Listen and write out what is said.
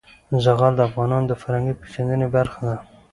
زغال د افغانانو د فرهنګي پیژندنې برخه ده.